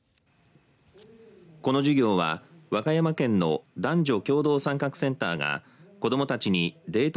この授業は、和歌山県の男女共同参画センターが子どもたちにデート